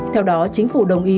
theo đó chính phủ đồng ý